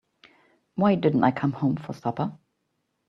Why didn't I come home for supper?